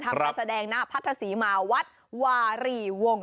ทำแบบแสดงหน้าพัทธาศีมาวัดวารีวงศ์